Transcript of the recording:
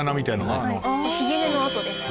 ひげ根の跡ですね。